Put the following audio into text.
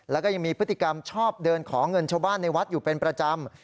แล้วก็ยังมีพฤติกรรมชอบเดินขอเงินชาวบ้านในวัดอยู่เป็นประจำ